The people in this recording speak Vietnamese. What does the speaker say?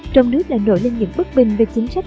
trong nước lại nổi lên những bất bình về chính sách